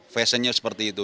fashionnya seperti itu